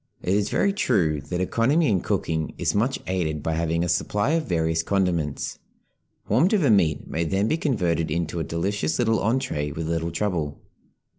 It is very true that economy in cooking is much aided by having a supply of various condiments; warmed over meat may then be converted into a delicious little entrée with little trouble.